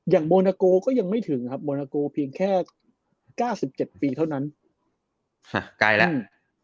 อย่างโมนาโกก็ยังไม่ถึงครับโมนาโกเพียงแค่๙๗ปีเท่านั้น